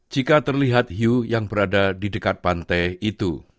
jika terlihat hiu yang berada di dekat pantai itu